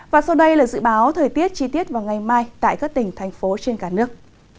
và sau đây là dự báo thời tiết chi tiết vào ngày mai tại các tỉnh thành phố trên cả nước